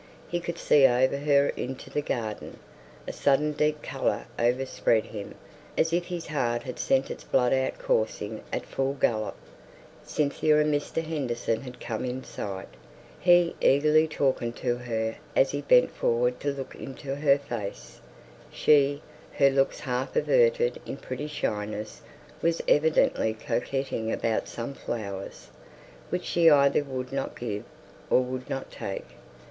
He could see over her into the garden. A sudden deep colour overspread him, as if his heart had sent its blood out coursing at full gallop. Cynthia and Mr. Henderson had come in sight; he eagerly talking to her as he bent forward to look into her face; she, her looks half averted in pretty shyness, was evidently coquetting about some flowers, which she either would not give, or would not take.